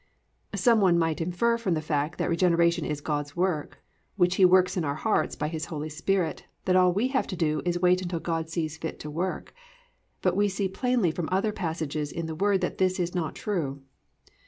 2. Some one might infer from the fact that regeneration is God's work, which He works in our hearts by His Holy Spirit, that all we have to do is to wait until God sees fit to work; but we see plainly from other passages in the Word that this is not true.